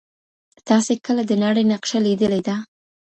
تاسي کله د نړۍ نقشه لیدلې ده؟